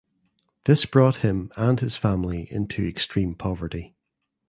This brought him and his family into extreme poverty.